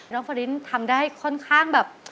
ฟารินทำได้ค่อนข้างแบบ